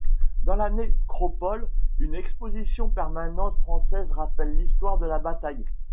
Dans la nécropole, une exposition permanente française rappelle l'histoire de la bataille.